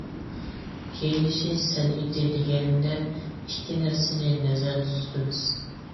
كىيىنىش سەنئىتى دېگەندە ئىككى نەرسىنى نەزەردە تۇتىمىز.